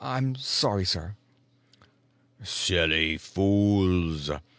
I'm sorry, sir." "Silly fools!"